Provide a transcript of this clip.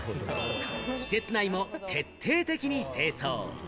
施設内も徹底的に清掃。